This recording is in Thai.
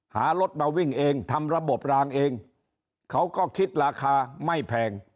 หารถมาวิ่งเองทำระบบรางเองเขาก็คิดราคาไม่แพง